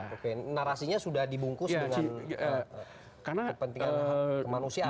nah ini karasinya sudah dibungkus dengan kepentingan kemanusiaan